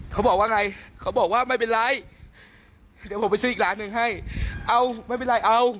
เขาบอกว่าไงเขาบอกว่าไม่เป็นไรเดี๋ยวผมไปซื้ออีกร้านหนึ่งให้เอาไม่เป็นไรเอา